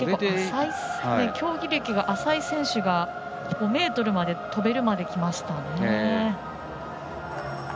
競技歴が浅い選手が５ｍまで跳べるまできました。